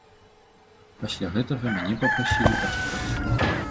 Пасля гэтага мяне папрасілі пачакаць.